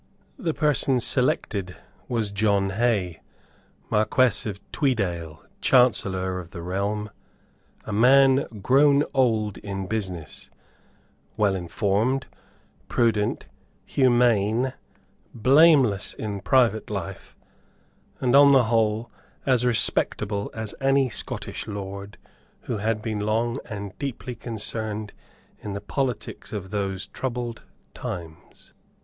The person selected was John Hay, Marquess of Tweedale, Chancellor of the Realm, a man grown old in business, well informed, prudent, humane, blameless in private life, and, on the whole, as respectable as any Scottish lord who had been long and deeply concerned in the politics of those troubled times.